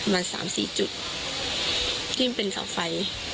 ประมาณ๓๔จุดที่เป็นเสาไฟ